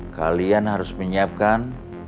kalian harus menyiapkan